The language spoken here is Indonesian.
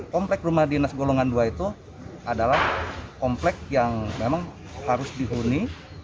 komplek rumah dinas golongan dua itu adalah komplek yang memang harus dihuni